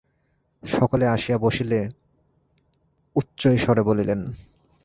সকলে আসিয়া বসিলে উচ্চৈঃস্বরে বলিলেন।